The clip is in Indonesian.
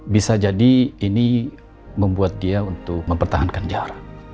bisa jadi ini membuat dia untuk mempertahankan jarak